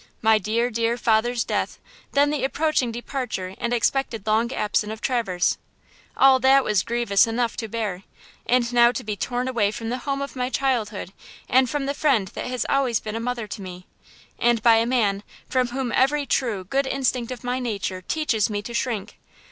My dear, dear father's death; then the approaching departure and expected long absence of Traverse! All that was grievous enough to bear; and now to be torn away from the home of my childhood, and from the friend that has always been a mother to me, and by a man, from whom every true, good instinct of my nature teaches me to shrink.